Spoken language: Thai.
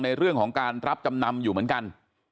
ในเรื่องของการรับจำนำอยู่เหมือนกัน